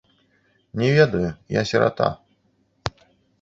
Не ведаю, я сірата.